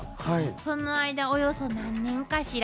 その間およそ何年かしら？